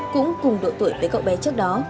cũng cùng độ tuổi với cậu bé trước đó